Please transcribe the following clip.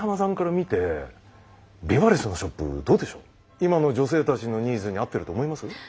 今の女性たちのニーズに合ってると思います？